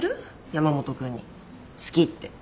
山本君に好きって。